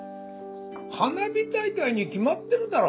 花火大会に決まってるだろ。